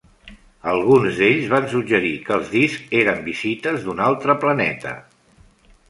Alguns d'ells van suggerir que els discs eren visites d'un altre planeta.